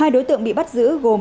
hai đối tượng bị bắt giữ gồm